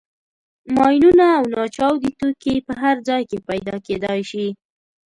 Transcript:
ماینونه او ناچاودي توکي په هر ځای کې پیدا کېدای شي.